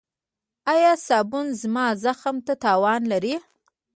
ایا صابون زما زخم ته تاوان لري؟